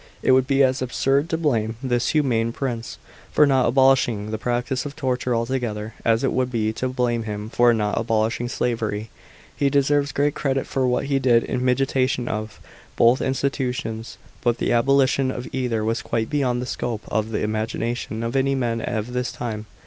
It would be as absurd to blame this humane prince for not abolishing the practice of torture altogether, as it would be to blame him for not abolishing slavery. He deserves great credit for what he did in mitigation of. both institutions, but the abolition of either was quite beyond the scope of the imagina tion of any man of his time.